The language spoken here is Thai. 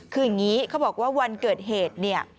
คืออย่างนี้เขาบอกว่าวันเกิดเหตุเนี่ย